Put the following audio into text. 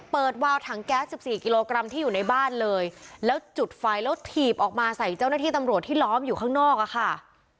วาวถังแก๊สสิบสี่กิโลกรัมที่อยู่ในบ้านเลยแล้วจุดไฟแล้วถีบออกมาใส่เจ้าหน้าที่ตำรวจที่ล้อมอยู่ข้างนอกอะค่ะ